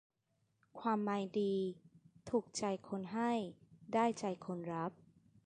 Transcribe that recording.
ความหมายดี ถูกใจคนให้ ได้ใจคนรับ